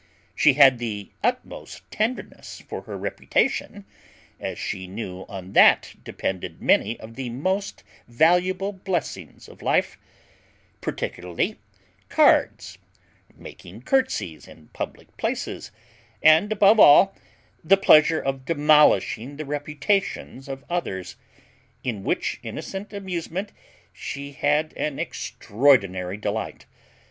She had the utmost tenderness for her reputation, as she knew on that depended many of the most valuable blessings of life; particularly cards, making curtsies in public places, and, above all, the pleasure of demolishing the reputations of others, in which innocent amusement she had an extraordinary delight.